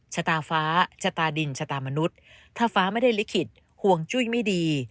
ชะตาฟ้าชะตาดินชะตามนุษย์ถ้าฟ้าไม่ได้ลิขิตห่วงจุ้ยไม่ดี